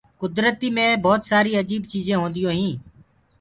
ڪُدرتي مي ڀوت سآري اجيب چيجينٚ هونديونٚ هينٚ۔